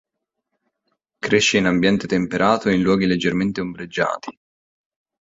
Cresce in ambiente temperato e in luoghi leggermente ombreggiati.